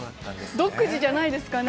独自じゃないですかね。